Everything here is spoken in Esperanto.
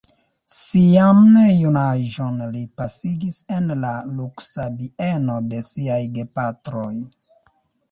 Sian junaĝon li pasigis en la luksa bieno de siaj gepatroj.